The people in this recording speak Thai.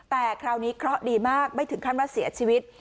แต่คราวนี้เคราะห์ดีมากไม่ถึงขั้นว่าเสียชีวิต